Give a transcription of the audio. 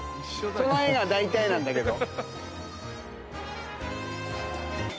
その絵がだいたいなんだけど。